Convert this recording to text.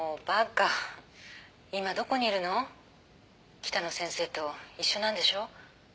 北野先生と一緒なんでしょ？